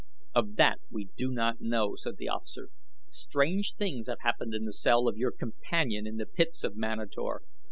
"Of that we do not know," said the officer. "Strange things have happened in the cell of your companion in the pits of Manator.